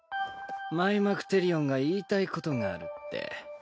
マイマクテリオンが言いたいことがあるって。